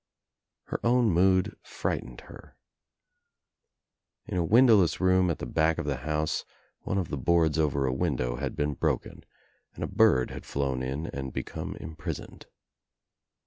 Her own mood frightened her, j In a wlndowless room at the back of .'the house one of the boards over a window had been broken and a bird had flown in and become impris* oned.